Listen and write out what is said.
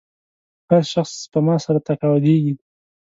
هر شخص سپما سره تقاعدېږي.